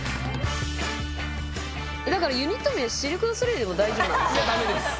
だからユニット名シルク・ドゥ・ソレイユでも大丈夫なんです。